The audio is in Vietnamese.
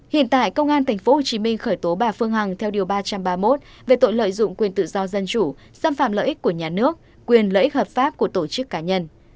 hiện tại công an tp hcm khởi tố bà phương hằng theo điều ba trăm ba mươi một về tội lợi dụng quyền tự do dân chủ xâm phạm lợi ích của nhà nước quyền lợi ích hợp pháp của tổ chức cá nhân